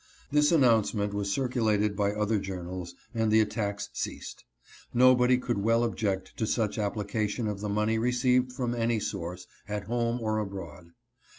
This announce ment was circulated by other journals, and the attacks ceased. Nobody could well object to such application of the money received from any source, at home or abroad.